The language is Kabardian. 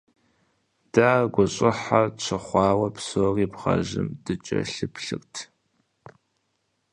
Дэ ар гущӀыхьэ тщыхъуауэ, псори бгъэжьым дыкӀэлъыплъырт.